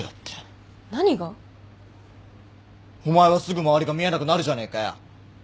お前はすぐ周りが見えなくなるじゃねえかよ！